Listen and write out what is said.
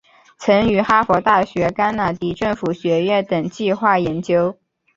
曾于哈佛大学甘乃迪政府学院等计画研究。